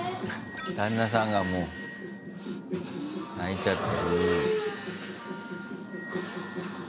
旦那さんがもう泣いちゃって。